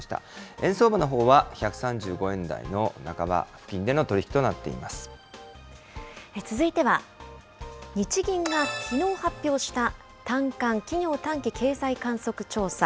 円相場のほうは１３５円台の半ば続いては、日銀がきのう発表した短観・企業短期経済観測調査。